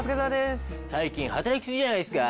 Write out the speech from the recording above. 最近働きすぎじゃないですか？